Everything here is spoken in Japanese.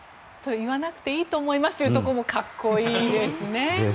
言わなくていいと思いますよというところもですよね。